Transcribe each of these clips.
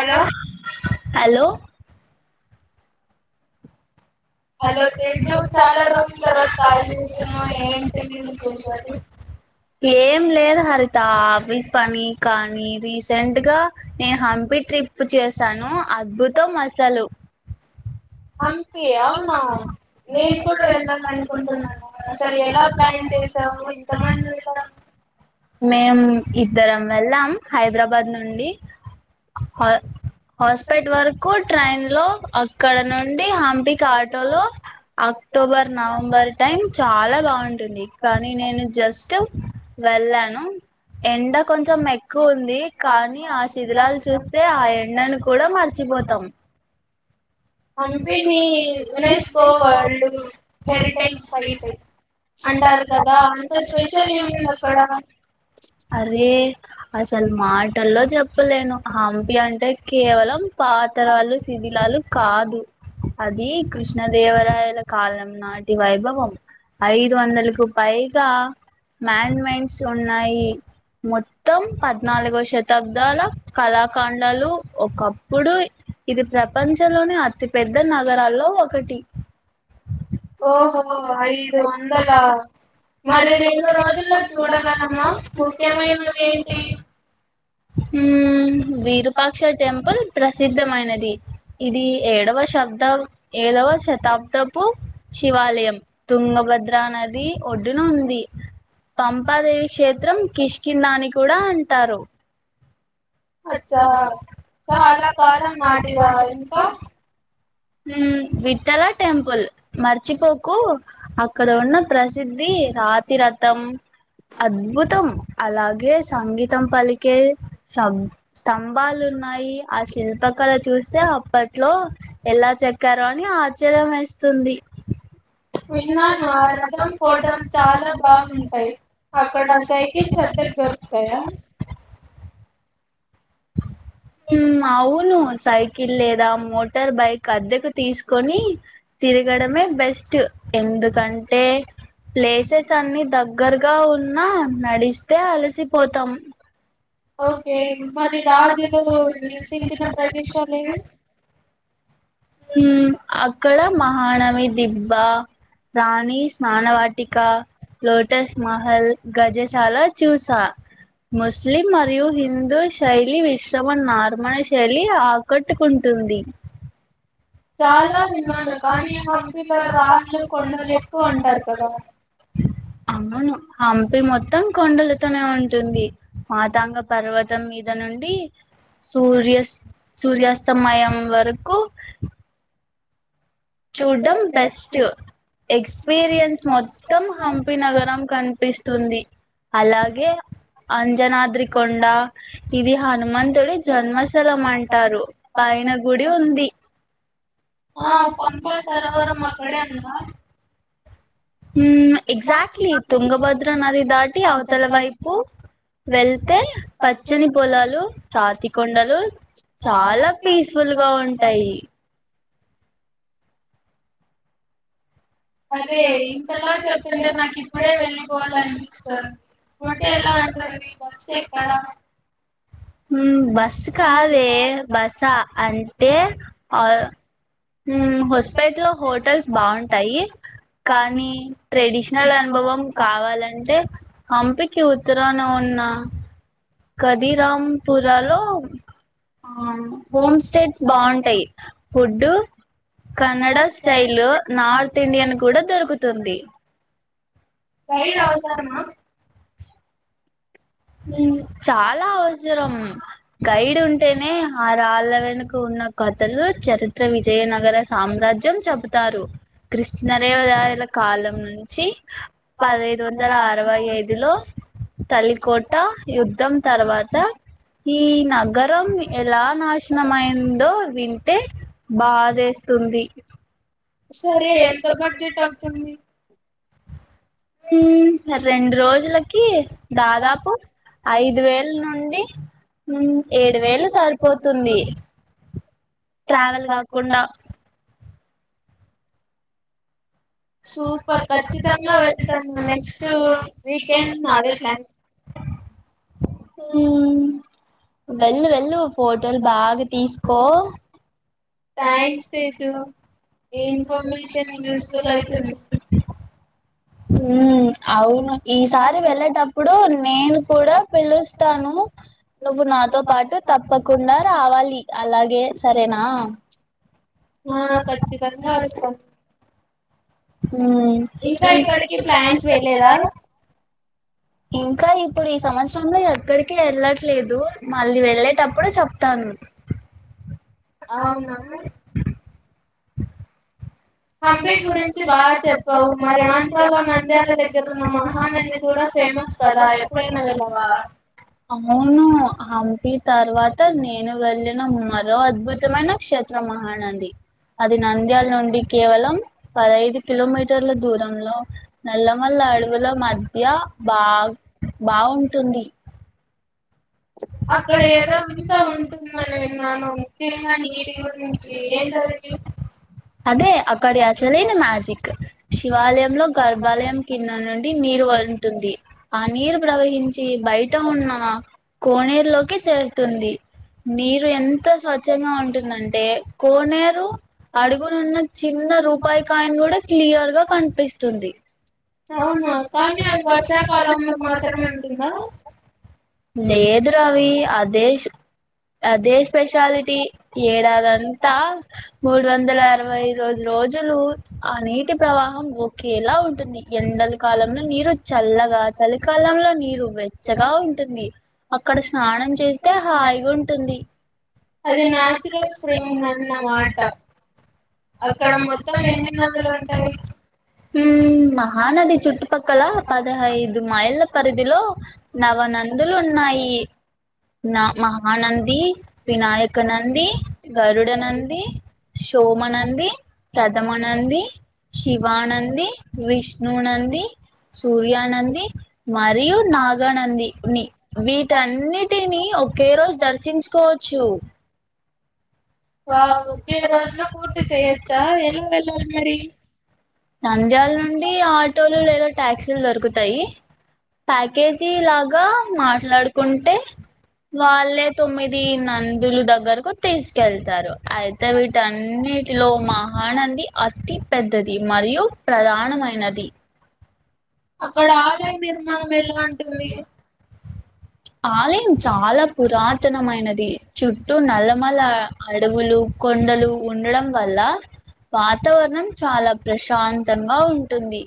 hello hello hello తెజ చాలా రక్ తర్త కా చేస ఏంటి చేసడి ఏం లేదు హరి అంత ఆఫీస్ పని కానీ రీసెంట్ గా నేను హంపీ ట్రిప్ చేశాను అద్భుతం మస్ చాలువు అంపే అవును నేను కూడా వెళ్ళాల అనుకుంటున్నాను అసలు ఎలా ప్లాన్ చేసావు ఇంతమంది వెళ్ళారు మేము ఇద్దరం వెళ్ళం హైదరాబాద్ నుండి హ హాస్పిట్ వరకు ట్రైన్ లో అక్కడ నుండి హంప కా అటోలో అక్టోబర్ నవంబర్ టైం చాలా బాగుంటుంది కానీ నేను జస్ట్ వెళ్ళాను ఎండ కొంచెం ఎక్కువ ఉంది కానీ ఆ శిథిలాలు చూసి అయితే ఆ ఎండను కూడా మర్చిపోతాం హంపిని యునెస్కో వరల్డ్ హెరిటేజ్ సైట్ అంటారు కదా అంత స్పెషల్ ఏముంది అక్కడ అరే అసలు మాటల్లో చెప్పలేను హంపి అంటే కేవలం పాత్రలు శిథిలాలు కాదు అది కృష్ణ దేవరాయల కాలం నాటి వైభవం ఐదు వందలకు పైగా మ్యాన్మెంట్స్ ఉన్నాయి మొత్తం పదనాలుగో శతాబ్దాల కలకాండలు ఒకప్పుడు ఇది ప్రపంచ ప్రపంచంలోనే అతి పెద్ద నగరాల్లో ఒకటి ఓహో ఐదు వందల మరి రెండు రోజులకు చూడగలమ ముఖ్యమైనవి ఏంటి హ్మ్మ్ విరూపాక్ష టెంపుల్ ప్రసిద్ధమైనది ఇది ఏడవ శబ్ద ఏడవ శతాబ్దపు శివాలయం తుంగభద్ర నది ఒడ్డున ఉంది పంపాదేవి క్షేత్రం కిష్కింద అని కూడా అంటారు అచ్చ చాల కాలం నాటిద ఇంకా ఉ విఠల టెంపుల్ మర్చిపోకు అక్కడ ఉన్న ప్రసిద్ధి రాతిరథం అద్భుతం అలాగే గ్యాస్ సంగీతం పలికె సం స్తంభాలు ఉన్నాయి ఆ శిల్పకళ చూస్తే అప్పటి అట్లో ఎలా చెక్కారో అని ఆశ్చర్యం వేస్తుంది విన్నాను ఆ రథం ఫోటోస్ చాలా బాగుంటాయి అక్కడ సైకిల్స్ అద్దెకు దొరుకుతాయా ఉం అవును సైకిల్ లేదా మోటార్ బైక్ అద్దెకు తీసుకు కొని తిరగడమే బెస్ట్ ఎందుకంటే తే ప్లేసెస్ అన్ని దగ్గరగా ఉన్నా నడిస్తే అలసిపోతాం ఓకే మరి రాజులు నివసించిన ప్రదేశాలేవి ఉమ్ అక్కడ మహానవి దిబ్బా రాణి స్నానవాటిక లోటస్ మహల్ గజశాల చూసా ముస్లిం మరియు హిందూ శైలి విశ్రమం నార్మ శైలి ఆకట్టుకుంటుంది అవును హంపి మొత్తం కొండలుతోనే ఉం టుంది మాతాంగ పర్వతం మీద నుండి సూర్య సూర్యాస్తమయం వరకు చూడ్డం బెస్ట్ ఎక్స్పీరియన్స్ మొత్తం హంపి నగరం కనిపిస్తుంది అలాగే అంజనాద్రికొండ ఇది హనుమంతుడి జన్మస్థలం అంటారు పైన గుడి ఉంది ఆ పంప సరోవరం అక్కడే ఉందా ఉమ్ ఎగ్జాక్ట్లీ తుంగభద్ర నది దాటి అవతల వైపు వెళ్తే పచ్చని పొలాలు రాతి కొండలు చాలా పీస్ఫుల్గా ఉంటాయి అరే ఇంతలా చెప్తుంటే నాకు ఇప్పుడే వెళ్ళిపోవాలనిపిస్తుంది ఫుడ్ ఎలా ఉంటది బస్ ఎక్కడ ఉమ్ బస్ కాదే బసా అంటే ఆ హూమ్ హోస్పేటలో హోటల్స్ బాగుంటాయి కానీ ట్రెడిషనల్ అనుభవం కావాలంటే హంపికి ఉత్తరాన ఉన్న అదిరాంపురా లో ఆ హోమ్ స్టేట్స్ బాగుంటాయి food Kannada style north Indian కూడా దొరుకుతుంది గైడ్ ఔసరమా చాలా అవసరం గైడ్ ఉంటేనే ఆ రాళ్ళ వెనుక ఉన్న కథలు చరిత్ర వి విజయనగర సామ్రాజ్యం చెబుతారు కృష్ణ దేవరాయల కాలం నుంచి పదహైదు వందల అరవై ఐదు లో తల్లికోట్ ట యుద్ధం తర్వాత ఈ నగరం ఎలా నాశనమయిందో వింటే బాదేస్తుంది సరే ఎంత బడ్జెట్ అవుతుంది ఉమ్ రెండు రోజులకి దాదాపు ఐదు వేల నుండి ఏడు వేలు సరిపోతుంది ట్రావెల్ గాకుండా సూపర్ ఖచ్చితంగా వెళ్తాను నెక్స్ట్ వీకెండ్ అదే ప్లాన్ హూమ్ వెళ్ళు వెళ్ళు ఫోటోలు బాగా తీసుకో థ్యాంక్స్ తేజు ఈ ఇన్ఫర్మేషన్ యూస్ఫుల్ అయితుంది హూమ్ అవును ఈసారి వెళ్ళేటప్పుడు నేను కూడా పిలుస్తాను నువ్వు నాతో పాటు తప్పకుండా రావాలి అలాగే సరేనా ఆ ఖచ్చితంగా వస్తాం హా ఇంకా ఇక్కడికి ప్లాన్స్ వేయలేదా ఇంకా ఇప్పుడు ఈ సంవత్సరంలో ఎక్కడికి వెళ్ళట్లేదు మళ్ళీ వెళ్ళేటప్పుడు చెప్తాను అవునా హంపి గురించి బాగా చెప్పావు మరి ఆంధ్రాలో నంద్యాల దగ్గర ఉన్న మహానంది కూడా ఫేమస్ కదా ఎప్పుడైనా వెళ్ళావా అవును హంపి తర్వాత నేను వెళ్ళి మరో అద్భుత మైన క్షేత్రం మహానంది అది నంద్యాల నుండి కేవలం పదైదు కిలోమీటర్ల దూరంలో నల్లమల్ల అడవుల మధ్య బా బాగుంటుంది అక్కడ ఏదోంత ఉంటుందని విన్నాను ముఖ్యంగా నీటి గురించి ఏ అదే అక్కడి అసలేని మ్యాజిక్ శివాలయంలో గర్భాలయం కిన్న నుండి నీరు వంటుంది ఆ నీరు ప్రవహించి బయట ఉన్న కోనేరులోకి చేరుతుంది నీరు ఎంత స్వచ్ఛంగా ఉంటుందంటే కోనేరు అడుగునున్న చిన్న రూపాయికాయని కూడా క్లియర్గా కనిపిస్తుంది అవునా కానీ అది వర్షాకాలంలో మాత్రమే ఉంటుందా ఏదురు అవి అదే అదే స్పెషాలిటీ ఏడాదింతా మూడు వందల అరవై ర రోజులు ఆ నీటి ప్రవాహం ఒకేలా ఉంటుంది ఎండల కాలంలో నీరు చల్లగా చలికాలంలో నీరు వెచ్చగా ఉంటుంది అక్కడ స్నానం చేస్తే హాయిగా ఉంటుంది అదిచురల్ స్పంగ్ అమాట అక్కడ మొత్తం ఆ నది చుట్టుపక్కల పదహైదు మైళ్ళ పరిధిలో నవనందులు ఉన్నాయి నా మహానంది వినాయక నంది గరుడ నంది సోమ నంది ప్రథమ నంది శివానంది విష్ణు విష్ణు నంది సూర్యానంది మరియు నాగానందిని వీటన్నిటిని ఒకే రోజు దర్శించుకోవచ్చు వా ఒకే రోజులో పూటీ చేయచ్చా ఎలా వెళ్ళాలి మరి నంద్యాల నుండి ఆటోలు లేదా టాక్సీలు దొరుకుతాయి ప్యాకేజీ లాగా మాట్లాడుకుంటే వాళ్ళే తొమ్మిది నందులు దగ్గరకు తీసుకెళ్తారు అయితే వీటన్నిటిలో మహానంది అతి పెద్దది మరియు ప్రధానమైనది చాలా పురాతనమైనది చుట్టూ నల్లమల్ల అడవులు కొండలు ఉండడం వల్ల వాతావరణం చాలా ప్రశాంతంగా ఉంటుంది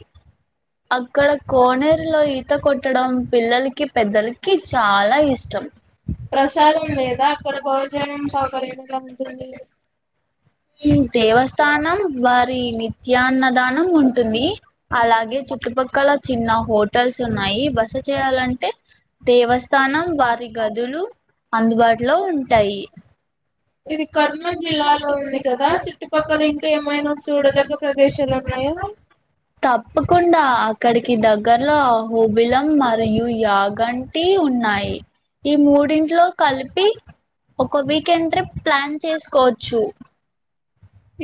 అక్కడ కోనేరులో [unintelligible] కొట్టడం పిల్లలకి పెద్దలకి చాలా ఇష్టం దేవస్థానం వారి నిత్యాన్నదానం ఉంటుంది అలాగే చుట్టుపక్కల చిన్న హో హటల్స్ ఉన్నాయి బస చేయాలంటే దేవస్థానం వారి గదులు అందుబాటులో ఉంటాయి కదా చుట్టుపక్కల ఇంకా ఏమైనా చూడదగ్గ ప్రదేశలు ఉన్నాయా లో అహోబిలం మరియు యాగంటి ఉన్నాయి ఈ మూడింట్లో కలిపి ఒక వీకెండ్ ట్రిప్ ప్లాన్ చేసుకోవచ్చు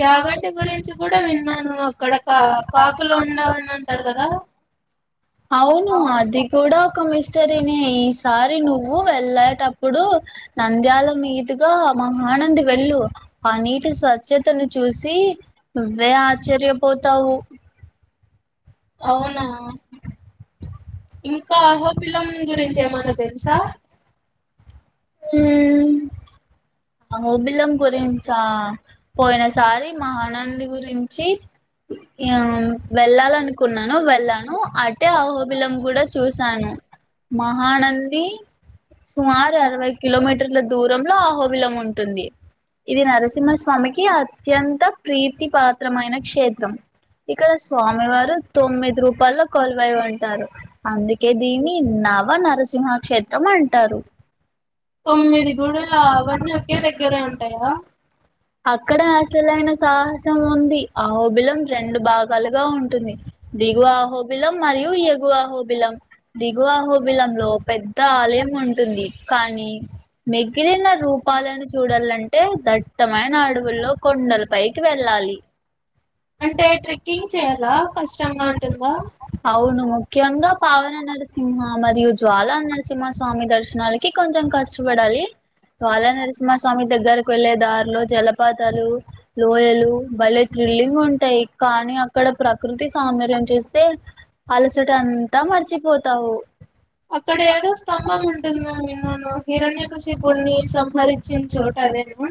యాగంటి గురించి కూడా విన్నాను అక్కడ కా కాకులు ఉండవని అంటారు కదా అవును అది కూడా ఒక మిస్టరీనే ఈసారి నువ్వు వెళ్ళేటప్పుడు నంద్యాల మీదుగా మహానంది వెళ్ళు ఆ నీటి స్వచ్ చేతున్ని చూసి నువ్వే ఆశ్చర్యపోతావు అవునా ఇంకా అహోబిలం గురించి ఏమైనా తెలుసా హ్మ్ అహోబిలం గురించా పోయిన సారి మహానంది గురించి ఆ వెళ్ళాలనుకున్నాను వెళ్ళాను అటే అహోబిలం కూడా చూశాను మహానంది సుమారు అరవై కిలోమీటర్ల దూరంలో అహో విలం ఉంటుంది ఇది నరసింహ స్వామికి అత్యంత ప్రీతి పాత్రమైన క్షేత్రం ఇక్కడ స్వామి వారు తొమ్మిది రూపాల్లో కొలువై ఉంటారు అంది కె దీన్ని నవ నరసింహ క్షేత్రం అంటారు తొమ్మిది గూడలా అవి అన్ని ఒకే దగ్గరే ఉంటాయా అక్కడ అసలైన సాహసం ఉంది ఆహోబిలం రెండు భాగాలుగా ఉంటుంది దిగువ అహోబిలం మరియు ఎగువ అహోబిలం దిగువ అహోబిలంలో పెద్ద ఆలయం ఉంటుంది కానీ మెగిలిన రూప్ ప్పాలని చూడాలంటే దట్టమైన అడవుల్లో కొండల పైకి వెళ్ళాలి అంటే ట్రెక్కింగ్ చేయాల కష్టం గా ఉంటుందా అవును ముఖ్యంగా పావన నరసిం మరియు జ్వాలా నరసింహ స్వామి దర్శనాలకి కొంచెం కష్టపడాలి బాలా నరసింహ స్వామి దగ్గరకు వెళ్ళే దారిలో జలపాతాలు లోయలు బళ్లేీ థ్రిల్లింగ్ ఉంటాయి కానీ అక్కడ ప్రకృతి సౌందర్యం చేస్తే అలసట అంతా మర్చిపోతావు అక్కడ ఏదో స్తంభం ఉంటుంది అని విన్నాను హిరణ్య కాశిపుణ్ణి సంహరించిన చోటదేనా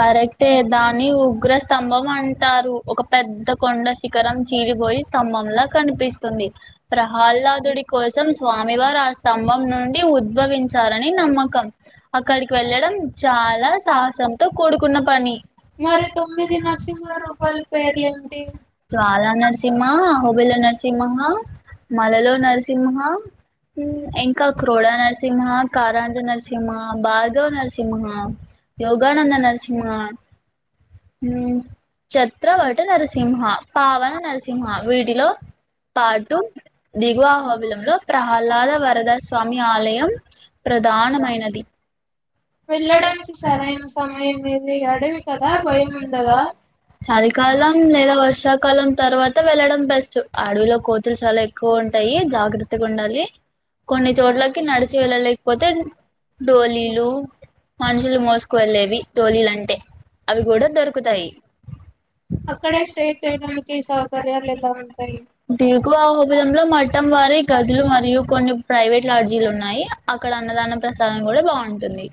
కరెక్టే దాని ఉగ్ర స్తంభం అంటారు ఒక పెద్ద కొండ శిఖరం చీరిపోయి స్తంభంలా కనిపిస్తుంది ప్రహ్లాదుడి కోసం స్వామివారు ఆ స్తంభం నుండి ఉద్భవించారని నమ్మకం అక్ క్కడికి వెళ్ళడం చాలా సాహసంతో కూడుకున్న పని జ్వాలా నరసింహ ఒబేలా నరసింహ మలలో నరసింహ హు ఇంకా క్రోడా నరసింహ కారాంజ నరసింహ భార్గవ నరసింహ యోగానంద నరసింహ హు ఛత్రవట నరసింహ పావన నరసింహ వీటిలో పాటు దిగువాహావలంలో ప్రహ్లాద వరదస్వామి ఆలయం ప్రధానమైనది వెళ్ళడానికి సరైన సమయం ఏది అడవి కదా భయం ఉండదా చలిికాలం లేద వర్ష కాలం తర్వాత వెళ్లడం బెస్ట్ ఆడవిలో కోతులు చాలా ఎక్కువ ఉంటాయి జాగ్రత్తగా ఉండాలి కొన్ని చోట్లకి నడిచి వెళ్ళలేకపోతే డోలీలు మనుషులు మోసుకువెళ్ళేవి తోలీలు అంటే అవి కూడా దొరుకుతాయి దిగువ హోబియామ్ మటం వారివీ గదులు మరియు కొన్ ప్రైవేట్ లాార్జీలు ఉన్నాయి అక్కడ అన్నదాన ప్రసాదం కూడా బాగుంటుంది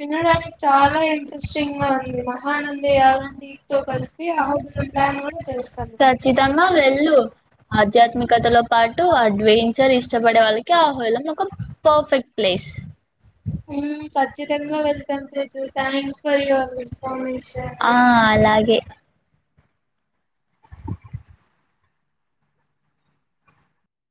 వినడానికి చాలా ఇంట్రెస్టింగ్ గా ఉంది మహానందే అలాంటితో కలిపి అహోబిలం లాంటివి కూడ చీస్తారు [unintelligible] సా అ అలాగే [inaudible]